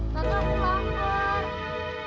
tante aku lapar